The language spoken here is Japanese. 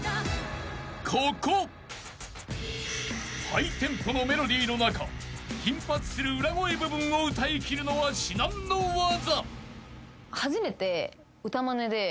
［ハイテンポのメロディーの中頻発する裏声部分を歌いきるのは至難の業］